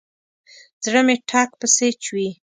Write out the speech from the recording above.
زړه مې ټک پسې چوي.